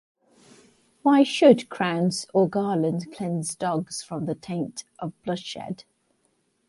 Why should crowns or garlands cleanse dogs from the taint of bloodshed?